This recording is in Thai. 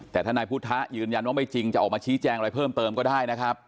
แต่ถ้านายพุทธะยืนยันว่าไม่จริงจะออกมาชี้แจงอะไรเพิ่มเติมก็ได้นะครับ